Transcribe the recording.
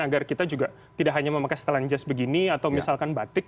agar kita juga tidak hanya memakai setelan jazz begini atau misalkan batik